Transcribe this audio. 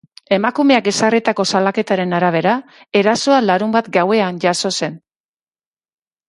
Emakumeak ezarritako salaketaren arabera, erasoa larunbat gauean jazo zen.